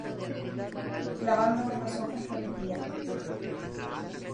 clavándome los ojos repetía: